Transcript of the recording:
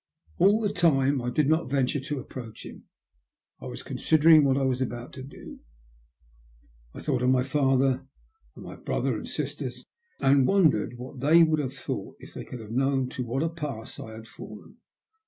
All the time I did not venture to approach him. I was considering what I was about to do. I thought of my father, and my brother and sisters, and wondered what they would have thought if they could have known to what a pass I had fallen.